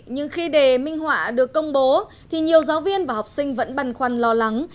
nhưng khi đề minh họa được công bố thì nhiều giáo viên và học sinh vẫn băn khoăn lo lắng